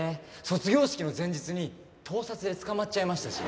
卒業式の前日に盗撮で捕まっちゃいましたし。